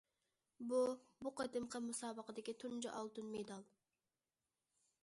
بۇ، بۇ قېتىمقى مۇسابىقىدىكى تۇنجى ئالتۇن مېدال.